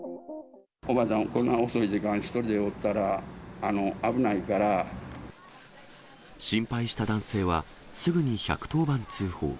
おばあちゃん、こんな遅い時間、心配した男性は、すぐに１１０番通報。